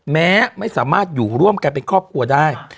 แม้ไม่สามารถอยู่ร่วมกันเป็นครอบครัวได้